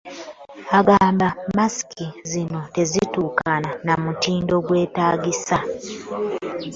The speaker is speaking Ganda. Agamba mmasiki zino tezituukana na mutindo gwetaagisa.